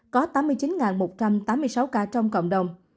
có tám mươi chín một trăm tám mươi sáu ca trong cộng đồng